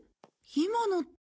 今のって。